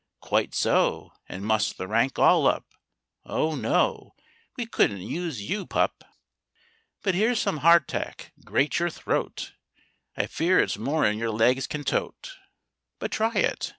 Quite so—and muss the rank all up— Oh no, we couldn't use you, pup! But here's some "hard tack." Grate your throat! I fear it's more'n your legs can tote, But try it.